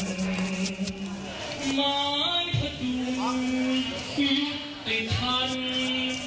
หมายผตุที่ให้ทัน